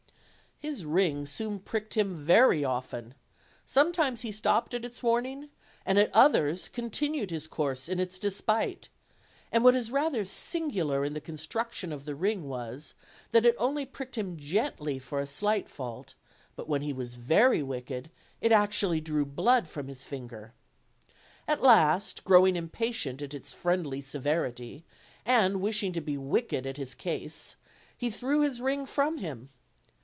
His ring soon pricked him very often: sometimes he stopped at its warning, and at others, continued his course in its despite; and what is rather singular in the construction of the ring was, that it only pricked him gently for a slight fault; but when he was very wicked it 324 OLD, OLD FAIRT TALES. actually drew blood from his finger. At last, growing impatient at its friendly severity, and wishing to be wicked at his ease, he threw his ring from him.